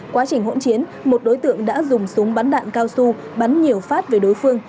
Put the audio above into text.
quá trình hỗn chiến một đối tượng đã dùng súng bắn đạn cao su bắn nhiều phát về đối phương